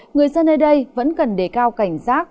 người dân nơi đây vẫn cần đề cao cảnh giác